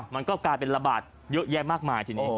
มันก็กลายเป็นระบาดเยอะแยะมากมายทีนี้